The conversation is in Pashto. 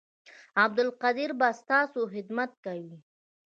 عبدالقدیر به ستاسو خدمت کوي